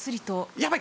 やばい！